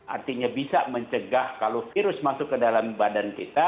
artinya bisa mencegah kalau virus masuk ke dalam badan kita